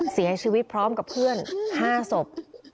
เสียชีวิตพร้อมกับเพื่อน๕ศพ